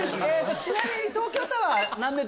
⁉ちなみに東京タワー